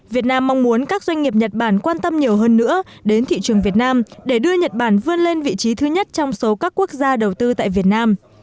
việt nam mong muốn các doanh nghiệp nhật bản quan tâm nhiều hơn nữa đến thị trường việt nam để đưa nhật bản vươn lên vị trí thứ nhất trong số các quốc gia đầu tư tại việt nam